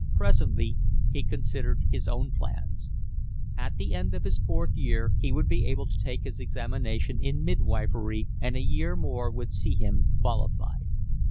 Presently he considered his own plans. At the end of his fourth year he would be able to take his examination in midwifery, and a year more would see him qualified.